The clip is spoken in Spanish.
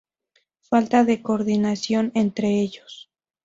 Falta de coordinación entre ellos.